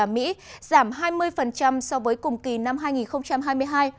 giảm hai mươi so với cùng kỳ năm hai nghìn hai mươi hai